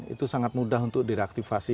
itu sangat mudah untuk direaktivasi